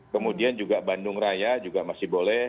kemudian juga bandung raya juga masih boleh